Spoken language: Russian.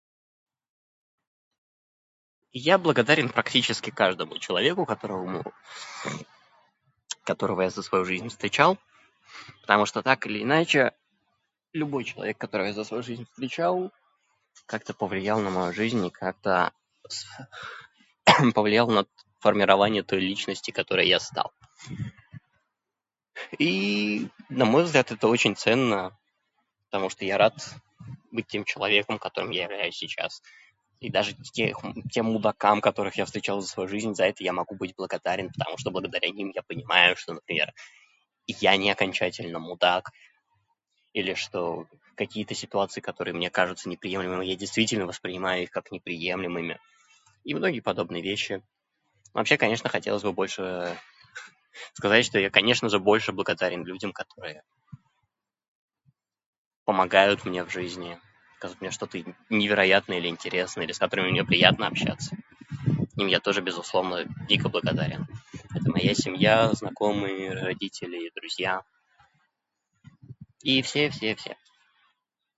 Я благодарен практически каждому человеку, которому, которого я за свою жизнь встречал. Потому что так или иначе, любой человек, которого я за свою жизнь встречал, как-то повлиял на мою жизнь и как-то сф-, повлиял на формирование той личности, которой я стал. И-и-и, на мой взгляд это очень ценно, потому что я рад быть тем человеком, которым я являюсь сейчас. И даже тех м- тем мудакам, которых я встречал за свою жизнь за это я могу быть благодарен, потому что благодаря ним я понимаю, что, например, я не окончательно мудак. Или что какие-то ситуации, которые мне кажутся неприемлемыми, я действительно воспринимаю их как неприемлемыми. И многие подобные вещи. Вообще, конечно, хотелось бы больше сказать, что я конечно же больше благодарен людям, которые помогают мне в жизни. Которые мне что-то н- невероятное или интересное или с которыми мне приятно общаться. Им я тоже безусловно дико благодарен. Это моя семья, знакомые, родители, друзья. И все-все-все.